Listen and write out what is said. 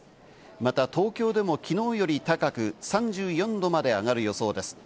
また東京でもきのうより高く、３４度まで上がる予想です。